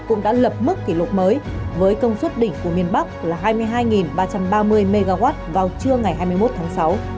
có kỷ lục mới với công suất đỉnh của miền bắc là hai mươi hai ba trăm ba mươi mw vào trưa ngày hai mươi một tháng sáu